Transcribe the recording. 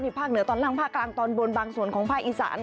ภาคเหนือตอนล่างภาคกลางตอนบนบางส่วนของภาคอีสาน